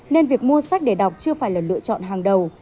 nên việc mua sách để đọc chưa phải là lựa chọn hàng đầu